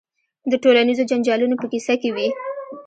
د ټولنیزو جنجالونو په کیسه کې وي.